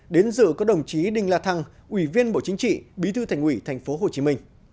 đến dự có đồng chí đinh la thăng ủy viên bộ chính trị bí thư thành ủy tp hcm